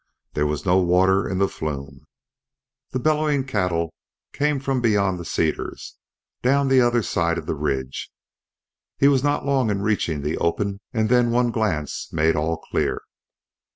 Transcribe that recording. There was no water in the flume. The bellowing cattle came from beyond the cedars, down the other side of the ridge. He was not long in reaching the open, and then one glance made all clear.